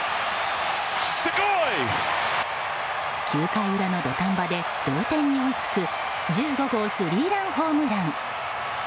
９回裏の土壇場で同点に追いつく１５号スリーランホームラン。